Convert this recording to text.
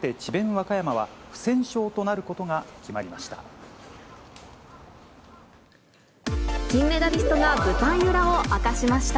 和歌山は、不戦勝となることが決まりました。